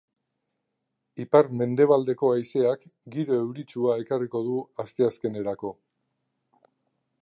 Ipar-mendebaldeko haizeak giro euritsua ekarriko du asteazkenerako.